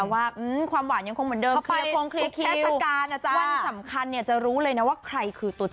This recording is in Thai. คือวงการเขาอาจจะแบบคนละสายไง